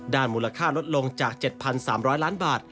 มูลค่าลดลงจาก๗๓๐๐ล้านบาท